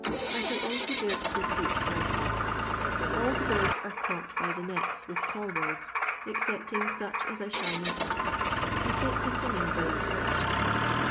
I shall also give the street prices. All the birds are caught by the nets with call birds, excepting such as I shall notice. I take the singing birds first.